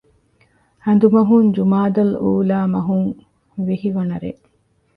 ހަނދުމަހުން ޖުމާދަލްއޫލާ މަހުން ވިހި ވަނަ ރޭ